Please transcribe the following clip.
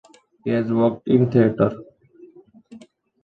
He has worked in theater.